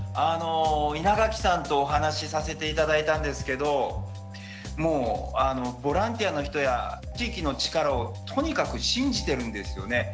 稲垣さんとお話しさせていただいたんですけどもうあのボランティアの人や地域の力をとにかく信じてるんですよね。